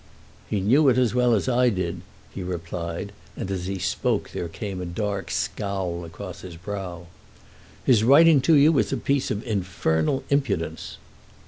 "He knew it as well as I did," he replied, and as he spoke there came a dark scowl across his brow. "His writing to you is a piece of infernal impudence."